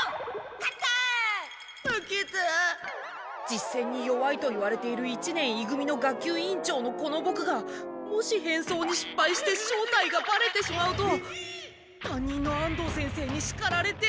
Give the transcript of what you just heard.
実戦に弱いといわれている一年い組の学級委員長のこのボクがもし変装にしっぱいして正体がバレてしまうと担任の安藤先生にしかられて。